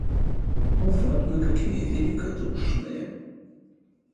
Вот мы какие великодушные!